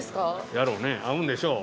やろうね合うんでしょう